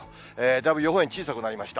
だいぶ予報円、小さくなりました。